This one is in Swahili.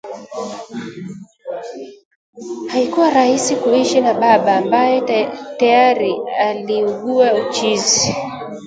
Haikuwa rahisi kuishi na baba ambaye teyari aliugua uchizi